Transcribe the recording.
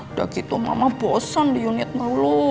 udah gitu mama bosan di unit melulu